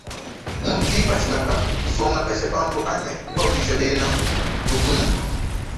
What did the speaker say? Mu kipatshila ka kusongakaja bantu anyi kubavuija bena lukna.